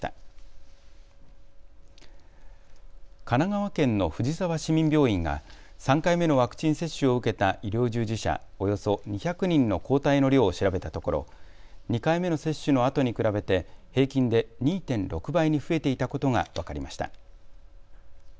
神奈川県の藤沢市民病院が３回目のワクチン接種を受けた医療従事者、およそ２００人の抗体の量を調べたところ２回目の接種のあとに比べて平均で２．６倍に増えていたことが分かりました。